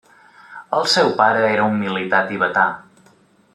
El seu pare era un militar tibetà.